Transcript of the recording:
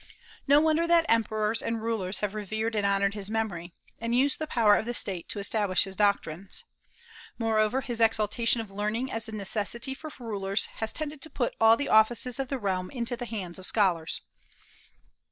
No wonder that emperors and rulers have revered and honored his memory, and used the power of the State to establish his doctrines. Moreover, his exaltation of learning as a necessity for rulers has tended to put all the offices of the realm into the hands of scholars.